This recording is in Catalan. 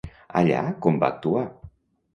Allà com va actuar?